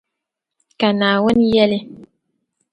Ka Naawuni yεli.